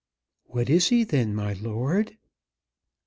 "What is he then, my lord?"